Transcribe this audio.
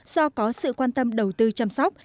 do có sự quan tâm đầu tư chăm sóc